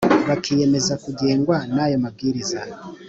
Bakiyemeza kugengwa n aya mabwiriza